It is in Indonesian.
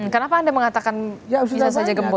kenapa anda mengatakan bisa saja gembong